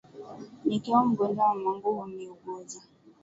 Nikiwa mgonjwa, mamangu huniuguza.